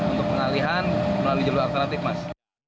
untuk pengalihan melalui jalur alternatif mas